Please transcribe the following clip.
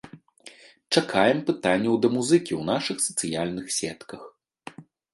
Чакаем пытанняў да музыкі ў нашых сацыяльных сетках.